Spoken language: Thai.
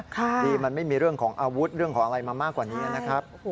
ดีมันไม่มีเรื่องของอาวุธเรื่องของอะไรมามากกว่านี้นะครับ